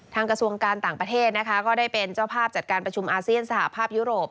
กระทรวงการต่างประเทศนะคะก็ได้เป็นเจ้าภาพจัดการประชุมอาเซียนสหภาพยุโรป